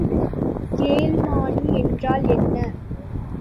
கேள்மானி என்றால் என்ன?